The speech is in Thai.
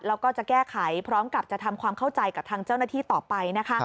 แล้วก็จะแก้ไขพร้อมกับจะทำความเข้าใจกับทางเจ้าหน้าที่ต่อไปนะคะ